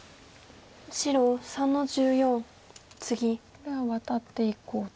これはワタっていこうと。